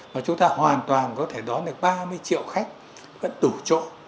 mà chúng ta hoàn toàn có thể đón được ba mươi triệu khách vẫn tủ chỗ